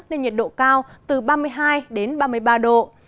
nên nhiệt độ cao từ ba mươi hai đến ba mươi ba độ